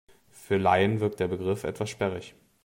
Für den Laien wirkt der Begriff etwas sperrig.